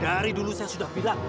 dari dulu saya sudah bilang